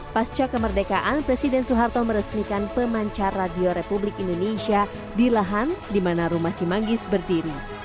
pasca kemerdekaan presiden soeharto meresmikan pemancar radio republik indonesia di lahan di mana rumah cimanggis berdiri